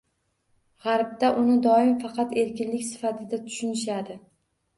G‘arbda uni doim faqat erkinlik sifatida tushunishadi